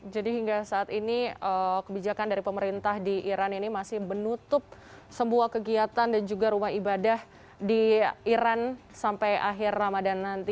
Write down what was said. jadi hingga saat ini kebijakan dari pemerintah di iran ini masih menutup sebuah kegiatan dan juga rumah ibadah di iran sampai akhir ramadan nanti